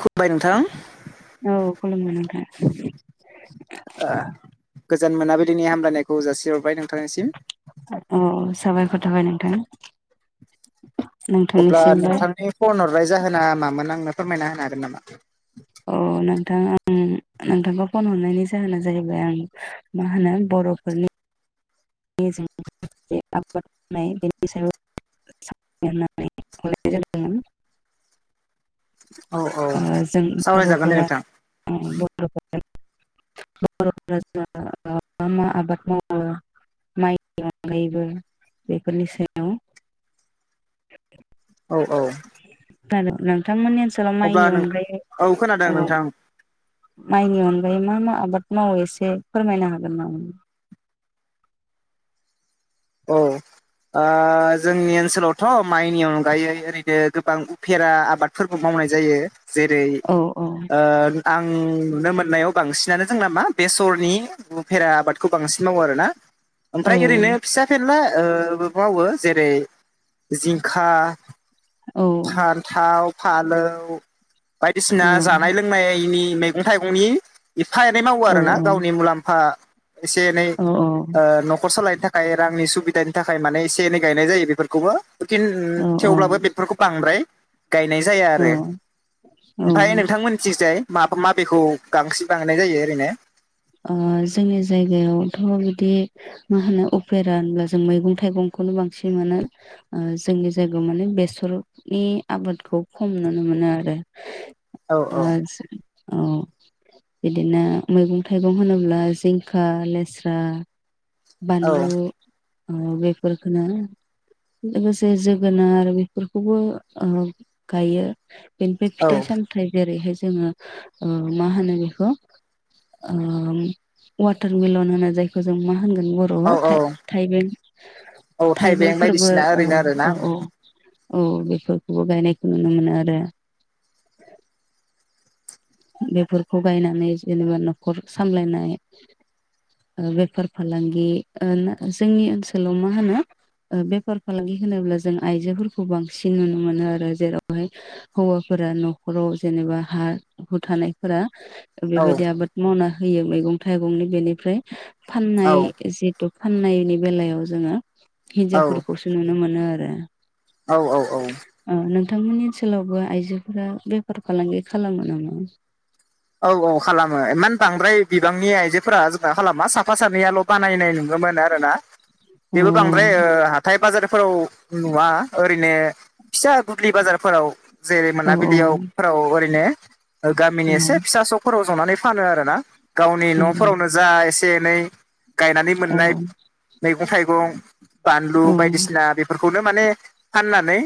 खलबाय नोंथां औ खुलुमबाय गोजान मोनाबिलिनि हामलायनायखौ जासिहरबाय नोंथांनिसिम औ साबायखर थाबाय नोंथां अब्ला नोंथांनिसिमबो नोंथांनि फन हरबाय जाहोना मामोन आंनो फोरमायना होनो हागोन नामा अ नोंथां आं नोंथांखौ फन हरनायनि जाहोना जाहैबाय आं मा होनो बर'फोरनि आबाद मावनाय बेनि सायाव [unintelligible] औ औ जों सावरायजागोन दे बर'फोरा नोंथां मा मा आबाद मावो माइ गनायबो बेफोरनि सायाव औ औ नोंथांमोननि ओनसोलाव अब्ला माइनि नों अनगायै औ खोनादों औ नोंथां माइनि अनगायै मा मा आबाद मावो एसे फोरमायनो हागोन नामा औ आ जोंनि ओनसोलावथ' माइनि अनगायै ओरैनो गोबां उफेरा आबादफोरबो मावनाय जायो जेरै औ औ आं नुनो मोननायाव बांसिनानो जों नामा बेसरनि भेरा आबादखौ बांसिन मावो आरो ना औ ओमफ्राय ओरैनो फिसा फेरला मावो जेरै जिंखा औ फान्थाव फालौ औ बायदिसिना जानाय नायनि मैगं थाइगंनि एफा एनै मावो औ आरोना गावनि मुलाम्फा एसे एनै औ न'खर सालायनो थाखाय रांनि सुबिदानि थाखाय माने एसे एनै गायनाय जायो बेफोरखौबो थेवब्लाबो बेफोरखौ बांद्राय गायनाय जाया औ आरो ओमफ्राय ओ नोंथांमोन फगजाय माबा माबेखौ गांसो बानायनाय जायो ओरैनो जोंनि जायगायावथ' बिदि मा होनो अपेरा होनब्ला जों मैगं थाइगंखौनो बांसिन मोनो जोंनि जायगायाव माने बेसरनि आबादखौ खम नुनो मोनो आरो औ आ औ बिदिनो मैगं थाइगं होनोब्ला जिंखा लेस्रा औ बानलु बेफोरफोरखौोनो लोगोसे जोगोनार बेफोरखौबो गायो बेनिफ्राय फिथाइ औ सामथायाइ जेरैहाय जोङो मा होनो बेखौ वाटार मिलन होनो जायखौ जों मा होनगोन बर' बर औ औ थाइबें औ थाइबें फोरबो बायदिसिना ओरैनो आरोना औ औ औ बेफोरखौबो गायनायखौ नुनो मोनो आरो बेफोरखौ गायनानै जेनेबा न'खर सामलायनाय बेफार फालांगि जोंनि ओनसोलाव मा होनो बेफार फालांगि होनोब्ला जों आइजोफोरखौ बांसिन नुनो मोनो आरो जेरावहाय हौवाफोरा न'खराव जेनेबा हा हु थानायफोरा औ बेबायदि आबाद मावना होयो मैगं थाइगंनि बेनिफ्राय फाननाय औ जिहेथु फाननायनि बेलायाव जोङो हिनजावफोरखौसो नुनो मोनो आरो औ औ औ औ नोंथांमोननि ओनसोलावबो आइजोफोरा बेफार फालांगि खालामो नामा औ औ खालामो इमान बांद्राय बिबांनि आइजोफ्रा जोंहा खालामा साफा सानैयाल' बानायनाय मोन आरोना अ बेबो बांद्राय ओ हथाय बाजारफोराव नुवा ओरैनो फिसा गुबलि बाजारफोराव जेरै अ मोनाबिलियावफ्राव ओरैनो गामिनि एसे अ फिथास' खराव संनानै फानो आरो ना गावनि न'फोरावनो जा एसे एनै गायनानै अ औ मोननाय मैगं थाइगं बानलु बायदिसिना बे फोरखौनो माने फाननानै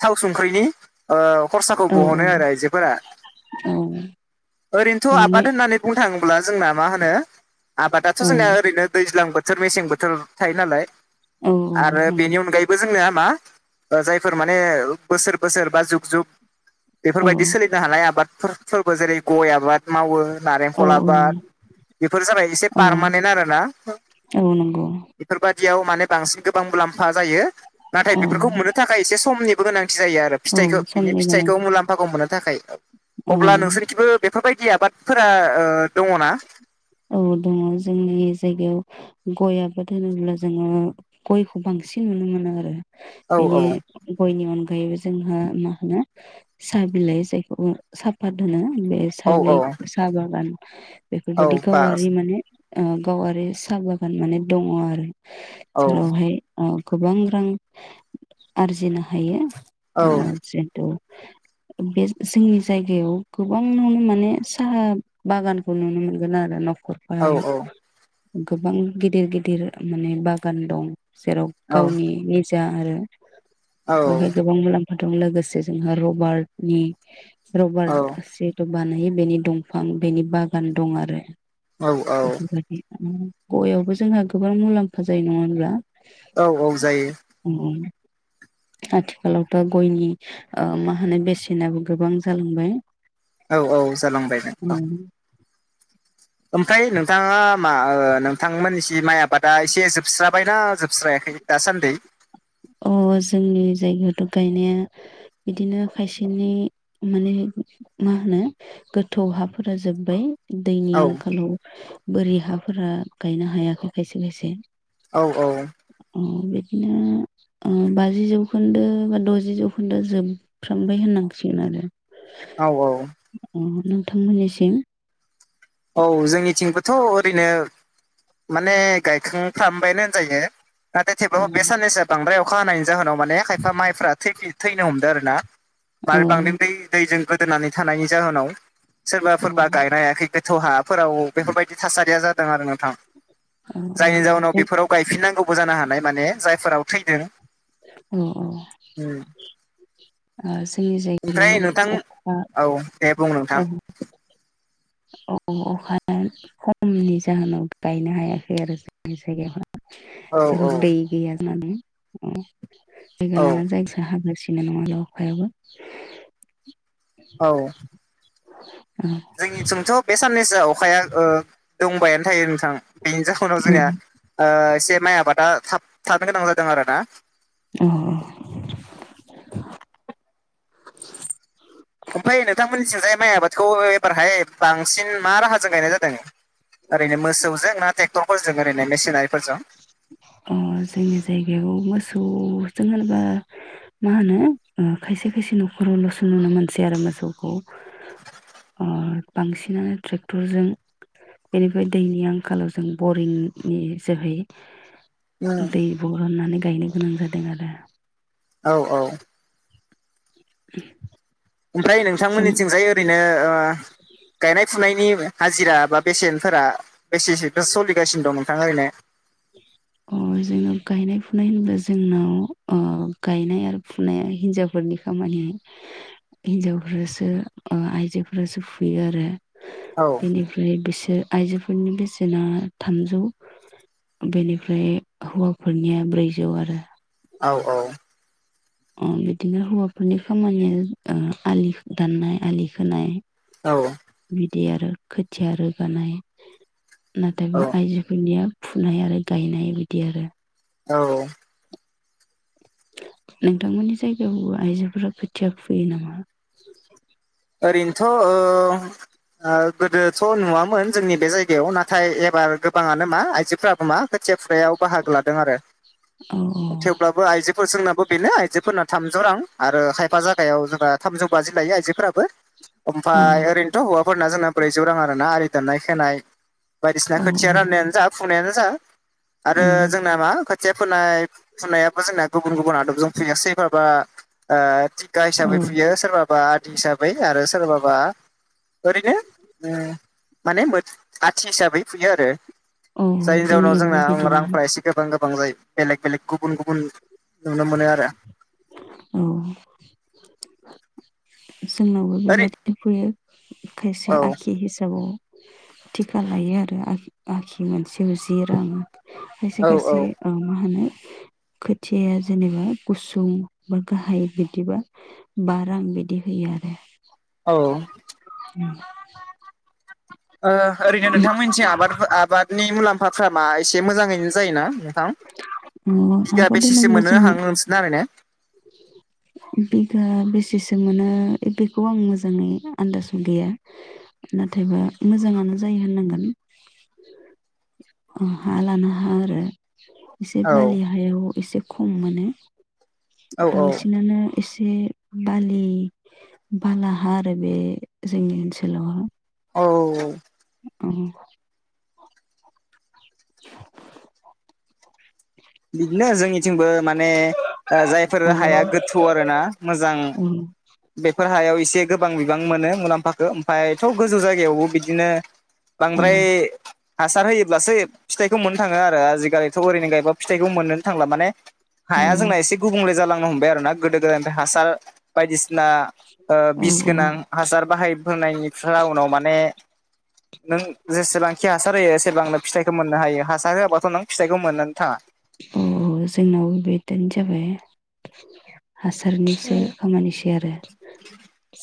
थाव संख्रिनि ओ खरसाखौ औ बहनो आरो आइजोफोरा। औ औ ओरैनोथ' मै आबाद होननानै बुंनो थाङोब्ला जोंना मा होनो आबादाथ' औ जोंनिया ओरैनो दैज्लां बो थोर मेसें बोथोर थायो नालाय औ आरो नंगौ बेनि अनगायै बो जोंनिया मा ओ जायफोर माने ओ बोसोर बोसोर बा जुग जुग औ बेफोरबायदि सोलिनो हानाय आबादफोर फोरबो जेरै गय आबाद मावो। औ नारेंखल आबाद बेफोर जाबाय एसे औ पारमानेन्ट आरो ना। औ नंगौ बेफोरबाददियाव माने बांसिन गोबां मुलाम्फा जायो। नाथाय औ बेफोरखौ मोननो थाखाय एसे समनिबो गोनांथि जायो आरो औ फिथाइखौ बिनि समनि गोनां फिथाइखौ मुलाम्फाखौ मोननो थाखाय। अब्ला औ नोंसोरखिबो बेफोरबायदि आबादफोरा ओ दङ ना? औ दङ जोंनि जायगायाव। गय आबाद होनोब्ला जोङो गयखौ बांसिन नुनो मोनो आरो औ बेनि गयनि अनगायैबो जोंहा मा होनो साहा बिलाइ जायखौ साफात होनो बे औ औ साहाबिलाय साबागान औ बेफोरबायदि गाव बास आरि माने ओ गावारि साहा बागान माने दङ आरो। औ जेरावहाय अ गोबां रां आरजिनो हायो। औ अ जिथु बे जोंनि जायगायाव गोबांआवनो माने साहा बागानखौ नुनो मोनो गोन आरो न'खरफा औ आरो गोबां गेदेर गेदेर माने बागान दं जेराव गावनि नि जा आरो औ बेवहाय गोबां मुलाम्फा दं लोगोसे जोंहा रबार्ट नि औ रबार्ट जिहुथे' बानायो बेनि दंफां बेनि बागान दं आरो। आरो बेफोरबायदि खामानि गयावबो जोंहा गोबां मुलाम्फा जायो नङा होनब्ला? औ औ जायो। उम आथिखालावथ गयनि ओ मा होनो बेसेनाबो गोबां जालांबाय। औ औ जालांबायमोन नोंथां। ओमफ्राय नोंथाङा मा ओ नोंथांमोननि सि माइ आबादा एसे जोबस्राबायना जोबस्रायाखै? दासानदै अ जोंनि जायगायावथ' गायनाया बिदिनो खायसेनि माने मा होनो गोथौ हाफोरा जोब्बाय। दैनि औ आंखालाव बोरि हाफोरा गायनो हायाखै खायसे खायसे। औ औ। अ बेखौनो ओ बाजि जौखोन्दो बा द'जि जौखोन्दोआ जोब फ्रामबाय होननांसिगोन आरो। औ औ। अ नोंथांमोननिसिम औ जोंनिथिंबोथ' ओरैनो माने गायखांफ्रामबायानो होनजायो। नाथाय औ थेवबाब बे साननैसो बांद्रायर अखा हानायनि जाहोनाव माने खायफा माइफ्रा थै थैनो हमदोंो आरो ना औ मार बांद्राय दै दैजों गोदोनानै थानायनि जाहोनाव सोरबा औ सोरबा गायनो हायाखै देथ' हाफोराव बेफोरबायदि थासारिया जादों आरो नोंथां। जायनि जाउनाव बेफोराव गायफिननांगौबो जानो हानाय माने जायफोराव थैदों। अ अ उम आ जोंनि जायगायाव ओमफ्राय नोंथां अ औ दे बुं नोंथां। औ अखाया खमनि जाहोनाव गायनो हायाखै आरो जोंनि जायगायावहाय। औ औ जेराव दै गैया होननानै मानो अ औ जायगा लाना जायगासो हाजसि। [unintelligible] अखायाव औ। उम। जोंनिथिंथ' बे साननैसोआ अखाया ओ दंबायानो थायो नोंथां। बेनि जाहोनाव जोंनिया ओ एसे माइ आबादा थाब थाबनो गोनां जादों आरोना। अह अह। ओमफ्राय नोंथांमोननिथिंजाय माइ आबादखौ एबारहाय बांसिन मा राहाजों गायनाय जादों? ओरैनो मोसौजों ना ट्रेक्टरफोरजों ओरैनो मेसिनारिफोरजों? अ जोंनि जायगायाव मोसौजों होनोबा मा होनो खायसे खायसे न'खरावल'सो नुनो मोनसै आरो मोसौखौ। ओ बांसिनानो ट्रेक्टरजों बेनिफ्राय दैनि आंखालाव जों बरिंनि जोहै उम दै बरननानै गायनो गोनां जादों आरो। औ औ। उम। ओमफ्राय नोंथांमोननिथिंजाय ओरैनो गायनाय फुनायनि हाजिरा बा बेसेनफोरा बेसेसोथो सलिगासिनो दं नोंथा ओरैनो? अह जोंनाव गायनाय फुनाय होनबा जोंनाव गायनाय आरो फुनाया हिन्जावफोरनि खामानि, हिनजावफ्रासो आइजोफोरासो फुयो आरो। औ। बेनिफ्राय बिसोर आइजोफोरनि बेसेना थामजौ। बेनिफ्राय हौवाफोरनिया ब्रैजौ आरो। औ औ। ओ बिदिनो हौवाफोरनि खामानिया आलि दाननाय आलि खोनाय। औ। बिदि आरो खोथिया रोगानाय, औ नाथायबा आइजो बिनिया फुनाय आरो गायनाय बिदि आरो। औ नोंथांमोननि जायगायावबो आइजोफोरा खोथिया फुयो नामा? [inaudible] ओरैनोथ' ओ गोदोथ' नुवामोन जोंनि बे जायगायाव नाथाय एबार गोबाङानो मा आइजोफोरा मा खोथिया फुुनायाव बाहागो लादों आरो, औ औ थेवब्लाबो आइजोफोर जोंनाबो बेनो आइजोफोरना थामजौ रां आरो खायफा जागायाव जों थामजौ बाजि लायो आइजो फ्राबो औ ओमफ्राय ओरैनोथ' हौवाफोरना जोंना ब्रैजौ रां आरोना आलि दाननाय खोनाय बायदिसिना औ खोथिया राननायानो जा फुंनायानो जा आरो औ जोंना मा खोथिया फोनाय फुनायाबो जोंना गुबुन गुबुन आदबजों फुयो सोरबाबा ओ गाह औ हिसाबै फुयो, सोरबाबा आदि हिसाबै आरो सोरबाबा ओरैनो ओ माने आथि हिसाबै फुयो आरो औ जायनि जाउनाव जोंनियावबो जोंना बिदिनो रांफ्रा एसे गोबां गोबां जायो, बेलेग बेलेग गुबुन गुबुन नुनो मोनो आरो। औ। जोंनावबो ओरै बेबायदिनो फुयो खायसे औ आखि हिसाबाव। थिखा लायो आरो आखि आखि मोनसेआव जि रां खायसे औ औ खायसे मा होनो खोथियाया जेनेबा गुसुं बा गाहाय बिदिबा बा रां बिदि होयो आरो। औ। [unintelligible] ओ ओरैनो नोंथांमोननिथिं आबाद आबादनि मुलाम्फाफ्रा मा एसे मोजाङैनो जायोना थां? बिगा माबा बेसेसो दोनोब्ला मोननो जोंनो हां नोंसोरना आरैनो? बिगा बेसेसो मोनो बेखौ आं मोजाङै आन्दाजाव गैया। नाथायबा मोजाङानो जायो होननांगोन। उम हा लाना हा आरो एसे औ बारलि हायाव एसे खम मोनो। औ औ बांसिनानो एसे बालि बालाहा आरो बे जोंनि ओनसोलाव। अ औ उम [inaudible] बिदिनो जोंनिथिंबो माने ओ जायफोर अ हाया गोथौ आरो ना मोजां। [unintelligible] बेफोर हायाव एसे गोबां बिबां मोनो मुलाम्फााखौ। ओमफायथ' गोजौ जायगायावबो बिदिनो औ बांद्राय हासार होयोब्लासो फिथाइखौ मोननो थाङो आरो आजिखालिथ' ओरैनो गायबा फिथाइखौ मोनोनो थांला माने हाया जोंना एसे गुबुंले जालांनो हमबाय आरो ना गोदो गोदायनिफ्राय हासार बायदिसि ना ओ औ बिस गोनां हासार बाहायबोनायनिफ्रा उनाव माने नों जेसेबांखि हासार होयो एसेबांनो फिथाइखौ मोननो हायो, हासार होआबाथ' नों फिथाइखौ मोननानै थाङा। औ जोंनाव बेदिनो जाबाय हासारनिसो खामानिसो आरो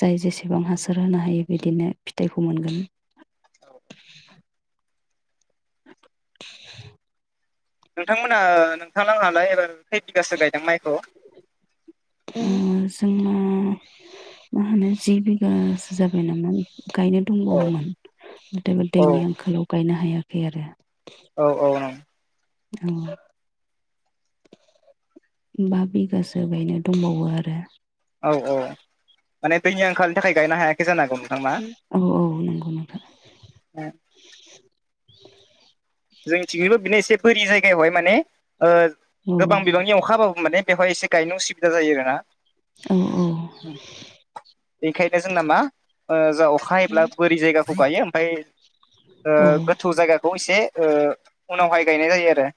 जाय जेसेबां हासार होनो हायो बिदिनो फिथाइखौ मोनगोन। नोंथांमोना नोंथां आहालाय एबार खै बिगासो गायदों माइखौ? उम जोंना मा होनो जि बिगासो जाबाय नामा गायनो औ दंबावोमोन। नाथायबा औ दैनि आंखालाव गायनो हायाखै आरो। औ औ। उम। बा बिगासो गायनो दंबावो आरो। औ औ, माने दैनि आंखालनि थाखाय गायनो हाया औ औ नंगौ नोंथां। [unintelligible] जोंनि थिगैबो बिनो एसे बोरि जायगायावहाय माने ओ औ गोबां बिबांनि अखा हाबाबो माने बेवहाय एसे गायनो उसुबिदा जायो आरो ना। औ औ। [unintelligible] बेनिखायनो जोंना मा ओ जाव अखायोब्ला बोरि जायगाखौ गायो ओमफ्राय ओ औ गोथौ जायगाखौ एसे ओ उनावहाय गायनाय जायो आरो।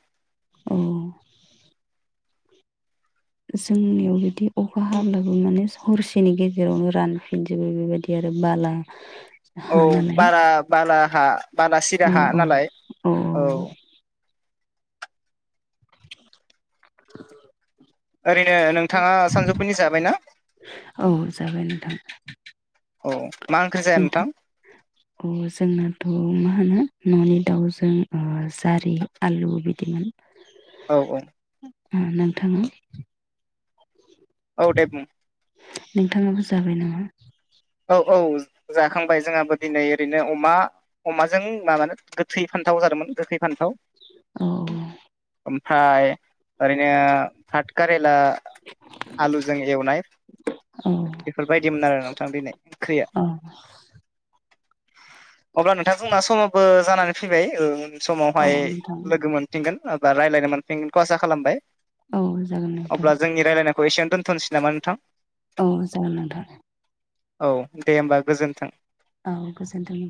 उम। जोंनियाव बिदि अखा हाब्लाबो माने हरसेनि गेजेरावनो रानफिनजोबो बेबायदि आरो बाला हा औ नालाय बारा बाला हा बाला सिरा अ औ हा औ नालाय औ औ। [unintelligible] ओरैनो नोंथाङा सानजौफुनि जाबाय ना? औ जाबाय नोंथां औ, मा ओंख्रि जाया नोंथां? [unintelligible] अ जोंनाथ' मा होनो न'नि दाउजों ओ जारि आलु बिदिमोन। [unintelligible] औ औ। उम नोंथां। औ दे बुं। नोंथाङाबो जाबाय नामा? औ औ जाखांबाय जोंहाबो दिनै ओरैनो अमा। अमाजों माबानो गोथै फान्थाव जादोंमोन गोखै फान्थाव। औ। ओमफ्राय ओरैनो फाटकारिला। आलुजों एवनाय बेफोरबायदिमोन आरो नोंथां दिनै। ओंख्रिया अह अब्ला नोंथां जोंना समावबो जानानै फैबाय ओं। औ समावहाय नोंथां लोगो मोनफिनगोन बा रायज्लायनो मोनफिनगोनखौ आसा खालामबाय। औ जागोन नोंथां अब्ला जोंनि रायजलायनायखौ एसेयावनो दोनथ'नोसै नामा नोंथा? औ जागोन नोंथां। औ दे होमबा गोजोन्थों। औ गोजोन्थों।